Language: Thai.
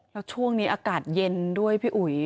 แล้วช่วงนี้อากาศเย็นด้วยพี่อุ๋ย